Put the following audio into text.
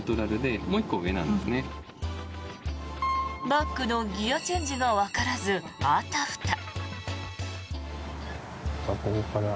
バックのギアチェンジがわからず、あたふた。